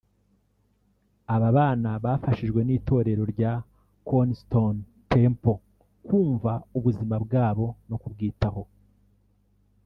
aba bana bafashijwe n’itorero rya Cornerstone Temple kumva ubuzima bwabo no kubwitaho